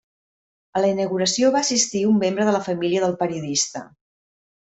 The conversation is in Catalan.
A la inauguració va assistir un membre de la família del periodista.